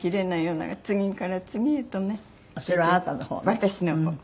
私の方。